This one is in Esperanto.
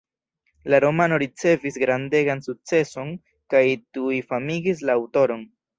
La romano ricevis grandegan sukceson, kaj tuj famigis la aŭtoron.